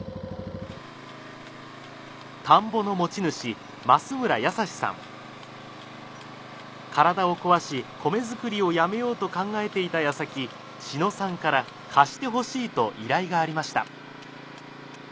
田んぼの持ち主体を壊し米づくりをやめようと考えていた矢先志野さんから貸してほしいと依頼がありました。